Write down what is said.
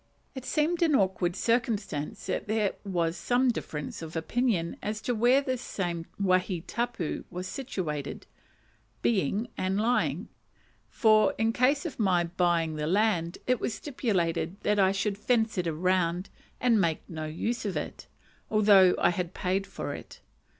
It seemed an awkward circumstance that there was some difference of opinion as to where this same wahi tapu was situated, being, and lying; for in case of my buying the land it was stipulated that I should fence it round and make no use of it, although I had paid for it.